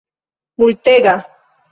multega